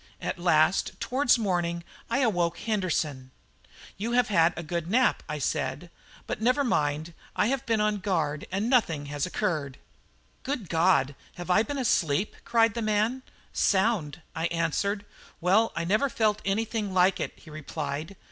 At last, towards morning, I awoke Henderson. "You have had a good nap," I said; "but never mind, I have been on guard and nothing has occurred." "Good God! have I been asleep?" cried the man. "Sound," I answered. "Well, I never felt anything like it," he replied.